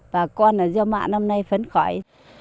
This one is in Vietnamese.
và con là do mạ năm nay phấn khỏi